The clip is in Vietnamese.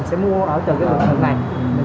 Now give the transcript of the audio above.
sẽ mua ở từ lực lượng này